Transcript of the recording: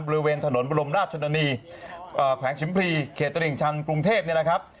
บริเวณถนนบรมราชชนนีแขวงชิมพลีเขตตลิ่งชันกรุงเทพเนี่ยนะครับ